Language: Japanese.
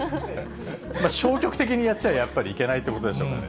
消極的にやっちゃ、やっぱりいけないということでしょうね。